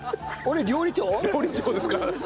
料理長ですから。